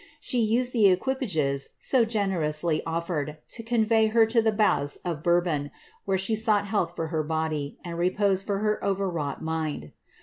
She used the equipages, so gene rously oflered, to convey her to the baths of Bourbon, where she sought health for her body, and repose for her overwrought mind.